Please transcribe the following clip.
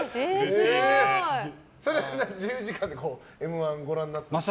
自由時間で「Ｍ‐１」ご覧になってたんですか？